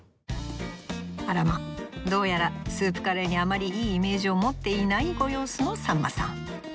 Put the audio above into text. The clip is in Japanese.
どうやらスープカレーにあまりいいイメージを持っていないご様子のさんまさん。